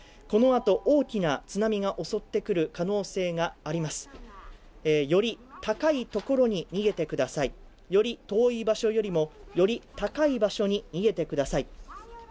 この後、大きな津波が襲ってくる可能性がありますより高いところに逃げてくださいより遠い場所よりもより高い場所に逃げてください。